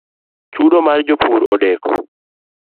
Chudo mar jopur odeko